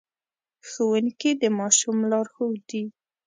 ښوونکي د ماشوم لارښود دي.